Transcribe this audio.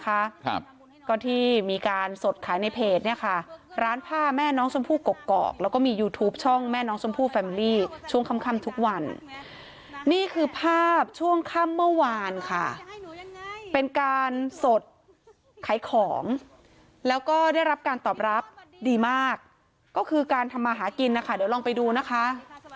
ครับก็ที่มีการสดขายในเพจเนี่ยค่ะร้านผ้าแม่น้องชมพู่กกอกแล้วก็มียูทูปช่องแม่น้องชมพู่แฟมลี่ช่วงค่ำค่ำทุกวันนี่คือภาพช่วงค่ำเมื่อวานค่ะเป็นการสดขายของแล้วก็ได้รับการตอบรับดีมากก็คือการทำมาหากินนะคะเดี๋ยวลองไปดูนะคะ